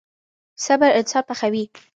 صبر انسان پخوي.